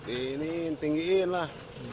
ini tinggiin lah